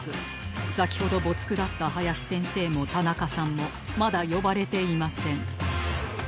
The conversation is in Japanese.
先ほど没句だった林先生も田中さんもまだ呼ばれていません